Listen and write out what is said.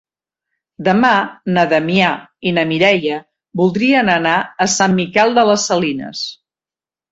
Demà na Damià i na Mireia voldrien anar a Sant Miquel de les Salines.